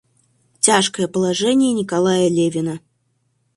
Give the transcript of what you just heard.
Тяжкое положение Николая Левина.